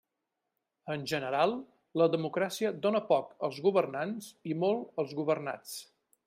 En general, la democràcia dóna poc als governants i molt als governats.